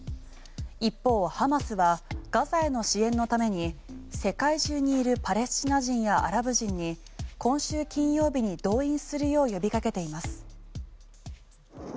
一方、ハマスはガザへの支援のために世界中にいるパレスチナ人やアラブ人に今週金曜日に動員するよう呼びかけています。